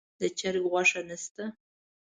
د چرګ غوښه نه شته.